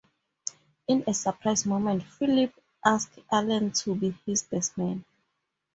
In a surprise moment, Phillip asked Alan to be his best man.